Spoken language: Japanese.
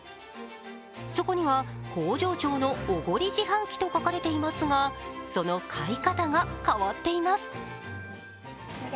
そこには、「工場長のおごり自販機」と書かれていますがその買い方が変わっています。